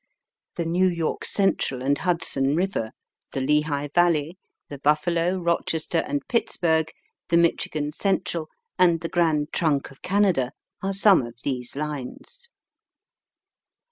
The New York Central and Hudson River, the Lehigh Valley, the Buffalo, Rochester, and Pittsburgh, the Michigan Central, and the Grand Trunk of Canada, are some of these lines.